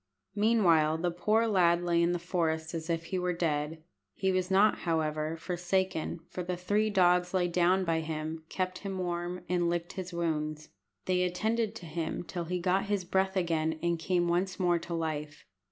Meanwhile the poor lad lay in the forest as if he were dead. He was not, however, forsaken, for the three dogs lay down by him, kept him warm, and licked his wounds. They attended to him till he got his breath again, and came once more to life.